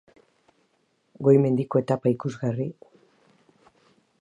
Goi mendiko etapa ikusgarri,.